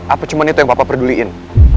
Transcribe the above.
apa cuma itu yang bapak peduliin